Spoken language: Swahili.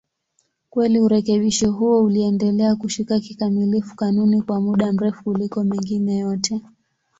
Kweli urekebisho huo uliendelea kushika kikamilifu kanuni kwa muda mrefu kuliko mengine yote.